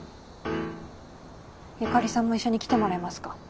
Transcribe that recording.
由香里さんも一緒に来てもらえますか？